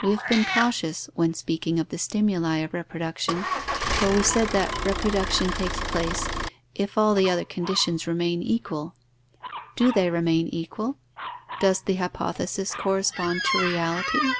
We have been cautious, when speaking of the stimuli of reproduction, for we said that reproduction takes place, if all the other conditions remain equal. Do they remain equal? Does the hypothesis correspond to reality?